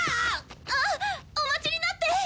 あっお待ちになって！